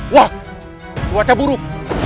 wah kuatnya buruk